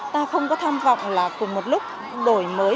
ta không có tham vọng là cùng một lúc đổi mới